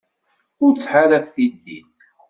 Ur ttḥaṛaf tiddit.